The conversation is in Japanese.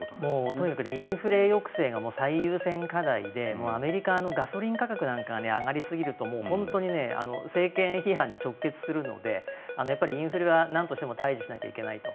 とにかくインフレ抑制が最優先課題でアメリカのガソリン価格なんかは値上がりすぎると本当に政権批判に直結するのでやっぱり、インフレはなんとしても対峙しなきゃいけないと。